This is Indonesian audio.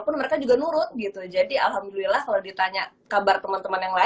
pun mereka juga nurut gitu jadi alhamdulillah kalau ditanya kabar jaya tips untuk berkerja demak